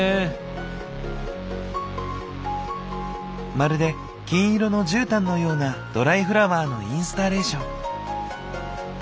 まるで金色の絨毯のようなドライフラワーのインスタレーション。